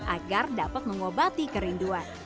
agar dapat mengobati keringatan